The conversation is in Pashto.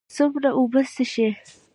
څومره اوبه څښئ؟